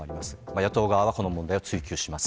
野党側はこの問題を追及します。